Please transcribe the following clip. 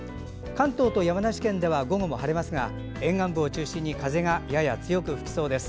関東と山梨県では午後も晴れますが沿岸部を中心に風がやや強く吹きそうです。